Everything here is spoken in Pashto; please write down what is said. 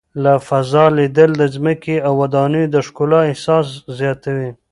له فضا لیدل د ځمکې او ودانیو د ښکلا احساس زیاتوي.